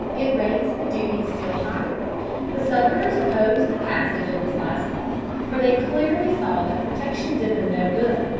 It raised the duties still higher. The Southerners opposed the passage of this last law. For they clearly saw that protection did them no good.